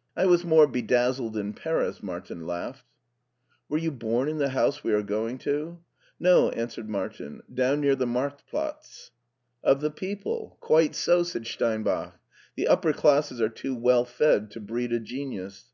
" I was more bedazzled in Paris," Martin laughed. '* Were you bom in the house we are going to ?" "No," answered Martin, "down near the Markt Platz/' "Of the people— quite so," said Steinbach; "the upper classes are too well fed to breed a genius.